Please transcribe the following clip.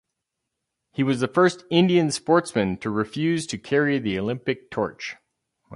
He was the first Indian sportsman to refuse to carry the Olympic torch.